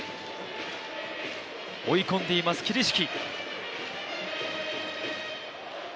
追い込んでいます桐敷。